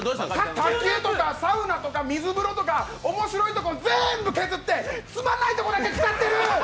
卓球とかサウナとか水風呂とか面白いところ全部削って、つまんないとこだけ使ってる！！